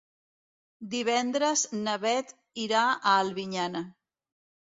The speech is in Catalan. Divendres na Beth irà a Albinyana.